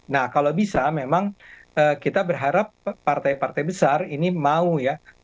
nah kalau bisa memang kita berharap partai partai besar ini mau ya